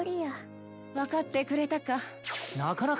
分かってくれたか。